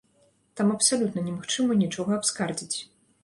Там абсалютна немагчыма нічога абскардзіць.